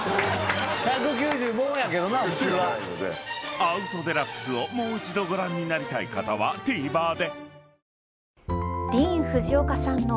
［『アウト×デラックス』をもう一度ご覧になりたい方はＴＶｅｒで］